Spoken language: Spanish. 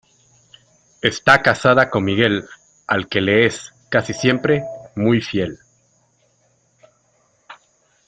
Está casada con Miquel al que le es, casi siempre, muy fiel.